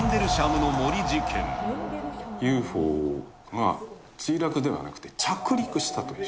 １９８０年、ＵＦＯが墜落ではなくて、着陸したと。